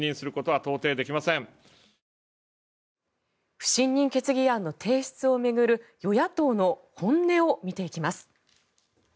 不信任決議案の提出を巡る与野党の本音を見ていきます。